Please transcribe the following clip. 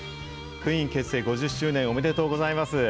クイーン結成５０周年、おめでとうございます。